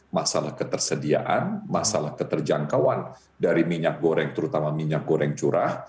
masalah ketersediaan masalah keterjangkauan dari minyak goreng terutama minyak goreng curah